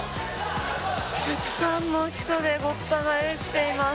たくさんの人でごった返しています。